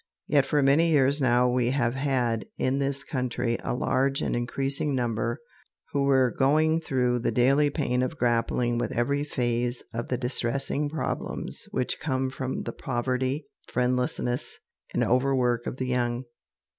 Yet for many years now we have had in this country a large and increasing number who were going through the daily pain of grappling with every phase of the distressing problems which come from the poverty, friendlessness, and overwork of the young.